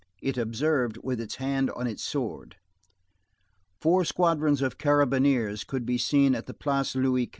It observed with its hand on its sword. Four squadrons of carabineers could be seen in the Place Louis XV.